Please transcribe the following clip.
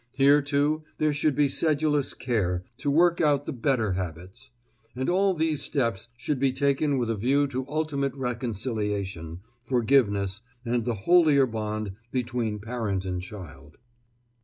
Here, too, there should be sedulous care, to work out the better habits. And all these steps should be taken with a view to ultimate reconciliation, forgiveness, and the holier bond between parent and child.